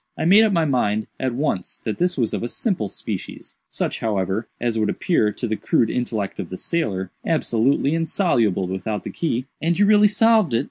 I made up my mind, at once, that this was of a simple species—such, however, as would appear, to the crude intellect of the sailor, absolutely insoluble without the key." "And you really solved it?"